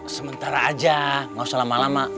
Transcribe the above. sementara aja nggak usah lama lama